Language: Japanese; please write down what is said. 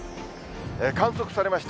観測されました